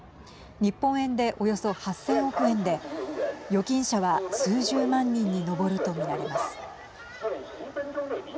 日本円でおよそ８０００億円で預金者は数十万人に上ると見られます。